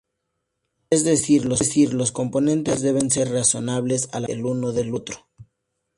Es decir, los componentes deben ser razonables a la luz el uno del otro.